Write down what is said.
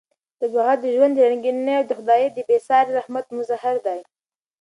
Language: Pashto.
طبیعت د ژوند د رنګینۍ او د خدای د بې ساري رحمت مظهر دی.